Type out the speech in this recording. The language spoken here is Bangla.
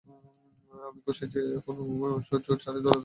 আমি খুশি যে, কোনো চোট ছাড়াই দৌড়াতে পেরেছি, দৌড় শেষ করতে পেরেছি।